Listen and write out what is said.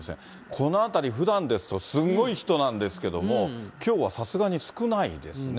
この辺り、ふだんですと、すんごい人なんですけども、きょうはさすがに少ないですね。